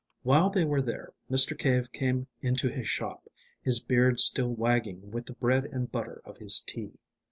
While they were there, Mr. Cave came into his shop, his beard still wagging with the bread and butter of his tea.